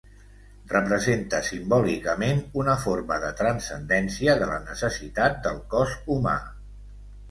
Representa simbòlicament una forma de transcendència de la necessitat del cos humà.